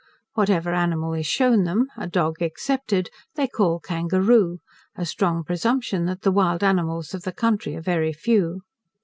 Whatever animal is shewn them, a dog excepted, they call kangaroo: a strong presumption that the wild animals of the country are very few.